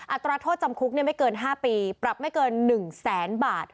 อัตราโทษจำคุกไม่เกิน๕ปีปรับไม่เกิน๑แสนบาท